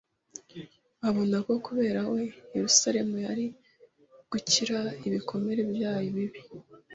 Abona ko kubera we, Yerusalemu yari gukira ibikomere byayo bibi